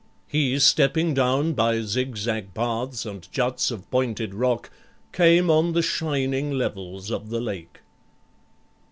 He, stepping down By zigzag paths, and juts of pointed rock, Came on the shining levels of the lake.